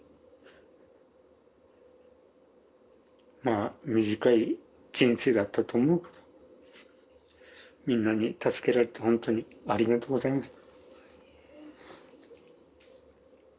まあ短い人生だったと思うけどみんなに助けられてほんとにありがとうございました。